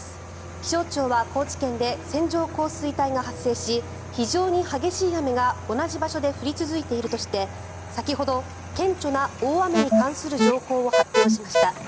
気象庁は高知県で線状降水帯が発生し非常に激しい雨が同じ場所で降り続いているとして先ほど、顕著な大雨に関する情報を発表しました。